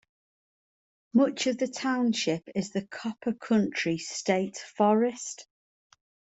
Much of the township is the Copper Country State Forest.